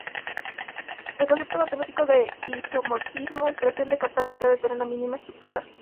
El concepto matemático de isomorfismo pretende captar la idea de tener la misma estructura.